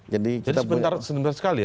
jadi sebentar sekali ya